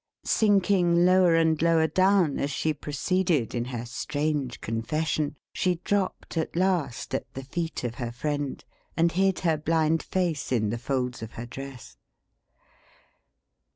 Sinking lower and lower down, as she proceeded in her strange confession, she dropped at last at the feet of her friend, and hid her blind face in the folds of her dress.